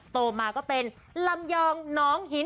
โตมาก็เป็นลำยองน้องหิน